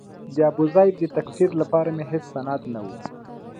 د ابوزید د تکفیر لپاره مې هېڅ سند نه و.